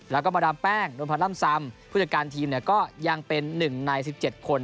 แล้วก็มาดามแป้งนวลพันธ์ล่ำซำผู้จัดการทีมก็ยังเป็น๑ใน๑๗คน